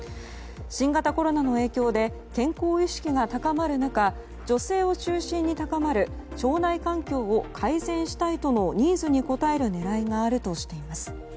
新型コロナの影響で健康意識が高まる中女性を中心に高まる腸内環境を改善したいとのニーズに応える狙いがあるとしています。